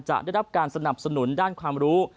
จะได้รับการสนับสนุนด้านความรู้